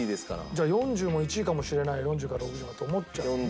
じゃあ４０も１位かもしれない４０から６０もと思っちゃうもんね。